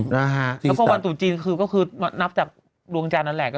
แล้วก็วันตุ๋จีนก็คือนับจากดวงจานั่นแหละ